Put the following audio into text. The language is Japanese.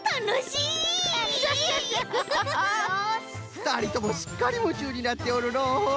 ふたりともすっかりむちゅうになっておるのう！